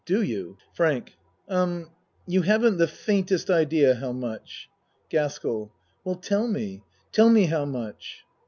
Do you? FRANK Um you haven't the faintest idea how much. GASKELL Well tell me tell me how much.